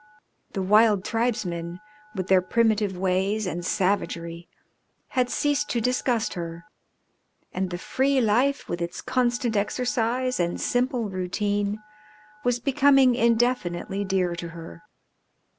The wild tribesmen, with their primitive ways and savagery, had ceased to disgust her, and the free life with its constant exercise and simple routine was becoming indefinitely dear to her.